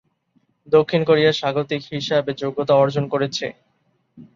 দক্ষিণ কোরিয়া স্বাগতিক হিসাবে যোগ্যতা অর্জন করেছে।